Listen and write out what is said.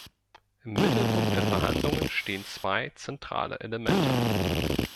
Im Mittelpunkt der Verhandlungen stehen zwei zentrale Elemente.